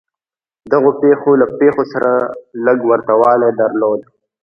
دغو پېښو له پېښو سره لږ ورته والی درلود.